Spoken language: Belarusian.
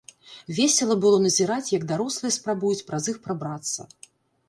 Весела было назіраць, як дарослыя спрабуюць праз іх прабрацца.